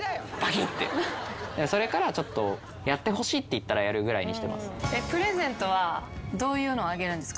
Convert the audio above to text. それからはやってほしいって言ったらやるぐらいにしてます。